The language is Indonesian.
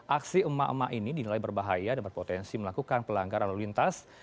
aksi emak emak ini dinilai berbahaya dan berpotensi melakukan pelanggaran lalu lintas